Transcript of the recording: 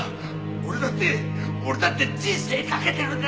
俺だって俺だって人生かけてるんだ！